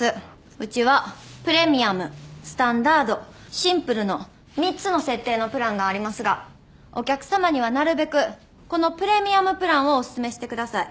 うちはプレミアムスタンダードシンプルの３つの設定のプランがありますがお客さまにはなるべくこのプレミアムプランをお勧めしてください